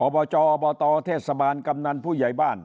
อบจอบตเทศบาลกำนันผู้ใหญ่บ้าน